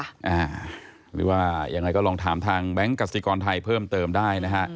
หรือว่ายังไงก็ลองถามทางแบงค์กสิกรไทยเพิ่มเติมได้นะฮะ